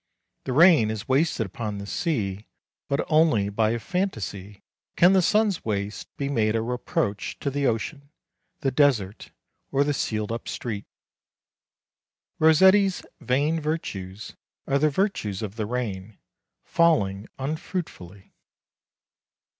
The rain is wasted upon the sea, but only by a fantasy can the sun's waste be made a reproach to the ocean, the desert, or the sealed up street. Rossetti's "vain virtues" are the virtues of the rain, falling unfruitfully.